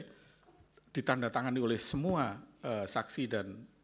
jadi ditandatangani oleh semua saksi dan